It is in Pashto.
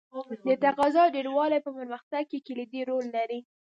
د تقاضا ډېروالی په پرمختګ کې کلیدي رول لري.